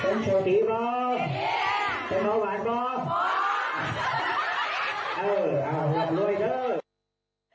เป็นเศรษฐีพร้อมเป็นเบาหวานพร้อมพร้อม